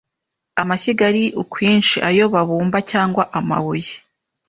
amashyiga ari ukwinshi ayo babumba cyangwa amabuye